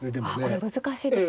これ難しいですか。